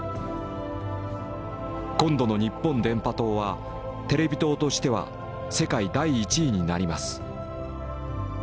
「今度の日本電波塔はテレビ塔としては世界第一位になります。